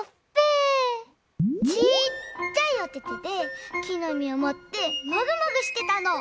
ちっちゃいおててできのみをもってモグモグしてたの！